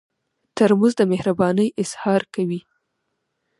ترموز د مهربانۍ اظهار کوي.